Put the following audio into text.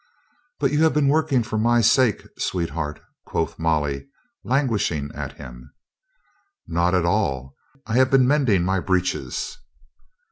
"But you have been working for my sake, sweet heart," quoth Molly, languishing at him. "Not at all. I have been mending my breeches."